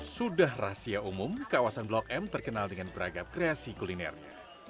sudah rahasia umum kawasan blok m terkenal dengan beragam kreasi kulinernya